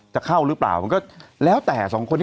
จะเข้าหรือเปล่าแล้วแต่๒คน